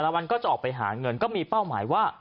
วันก็จะออกไปหาเงินก็มีเป้าหมายว่า